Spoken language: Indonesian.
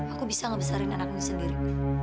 aku bisa ngebesarin anakmu sendiri